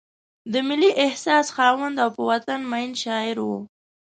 د ملي احساس خاوند او په وطن مین شاعر و.